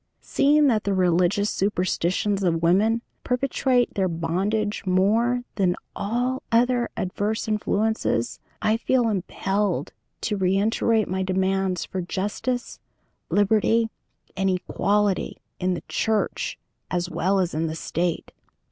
Seeing that the religious superstitions of women perpetuate their bondage more than all other adverse influences, I feel impelled to reiterate my demands for justice, liberty, and equality in the Church as well as in the State.